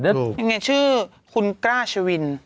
แล้วยังไงชื่อคุณกล้าชวิน